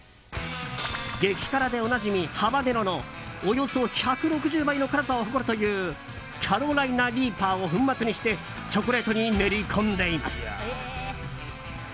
激辛でおなじみ、ハバネロのおよそ１６０倍の辛さを誇るというキャロライナ・リーパーを粉末にしてチョコレートに練り込んでいます。